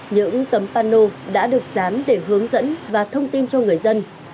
những tấm pano đã được dán để hướng dẫn và thông tin cho người dân